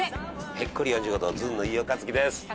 ぺっこり４５度ずんの飯尾和樹です。